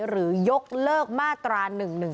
หรือยกเลิกมาตรา๑๑๒